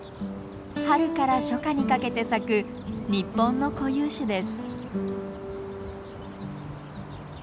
春から初夏にかけて咲く日本の固有種です。